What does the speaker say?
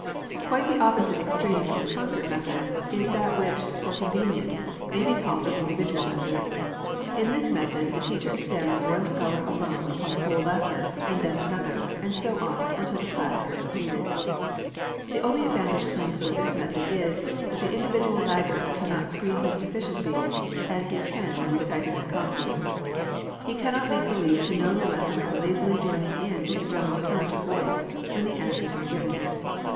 Quite the opposite extreme from the concert method, is that which, for convenience, may be called the individual method. In this method, the teacher examines one scholar alone upon the whole lesson, and then another, and so on, until the class is completed. The only advantage claimed for this method is, that the individual laggard cannot screen his deficiencies, as he can when reciting in concert. He cannot make believe to know the lesson by lazily joining in with the general current of voice when the answers are given.